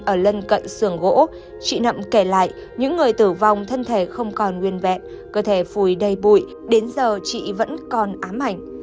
ở lân cận sườn gỗ chị nậm kể lại những người tử vong thân thể không còn nguyên vẹn cơ thể phù đầy bụi đến giờ chị vẫn còn ám ảnh